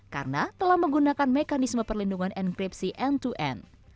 karena telah menggunakan mekanisme perlindungan enkripsi end to end